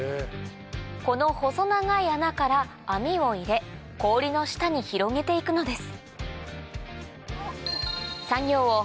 この細長い穴から網を入れ氷の下に広げていくのです